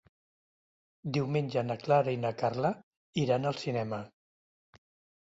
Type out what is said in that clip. Diumenge na Clara i na Carla iran al cinema.